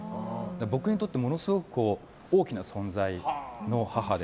僕にとってものすごく大きな存在の母で。